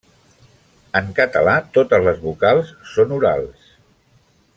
En català totes les vocals són orals.